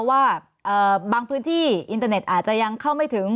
ว่าบางพื้นที่อินเตอร์เน็ตอาจจะยังเข้าไม่ถึง